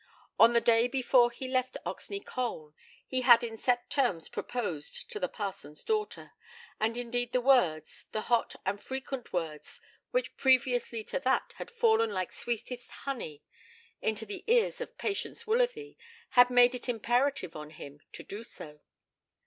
On the day before he left Oxney Colne he had in set terms proposed to the parson's daughter, and indeed the words, the hot and frequent words, which previously to that had fallen like sweetest honey into the ears of Patience Woolsworthy, had made it imperative on him to do so.